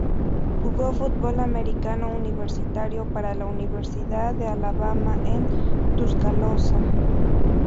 Jugó fútbol americano universitario para la Universidad de Alabama en Tuscaloosa.